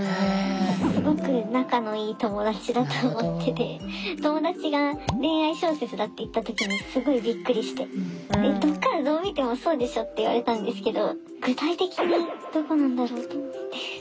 すごく仲のいい友達だと思ってて友達が恋愛小説だって言った時にすごいびっくりして「どこからどう見てもそうでしょ！」って言われたんですけど。